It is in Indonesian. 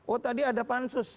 oh tadi ada pansus